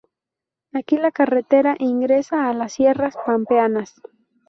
Aquí la carretera ingresa a las Sierras Pampeanas.